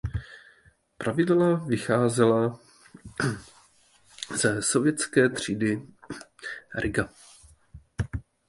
Plavidla vycházela ze sovětské třídy "Riga".